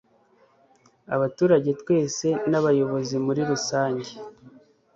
Abaturage twese n'abayobozim muri rusange